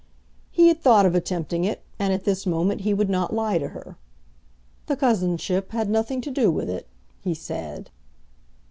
He had thought of attempting it, and at this moment he would not lie to her. "The cousinship had nothing to do with it," he said.